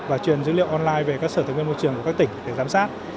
và truyền dữ liệu online về các sở tài nguyên môi trường của các tỉnh để giám sát